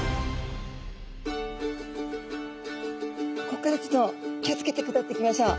ここからちょっと気を付けて下っていきましょう。